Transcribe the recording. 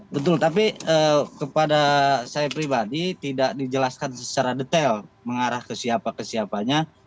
betul tapi kepada saya pribadi tidak dijelaskan secara detail mengarah ke siapa ke siapanya